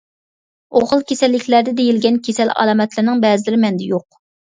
ئۇ خىل كېسەللىكلەردە دېيىلگەن كېسەل ئالامەتلەرنىڭ بەزىلىرى مەندە يوق.